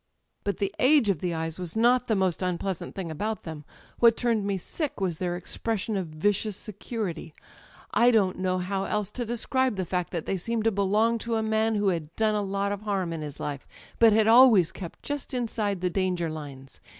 ""But the age of the eyes was not the most unpleasant thing about them. What turned me sick was their ex pression of vicious security. I don't know how else to describe the fact that they seemed to belong to a man who had done a lot of harm in his life, but had always kept just inside the danger lines.